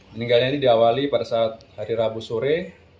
meninggalnya ini diawali pada saat hari rabu sore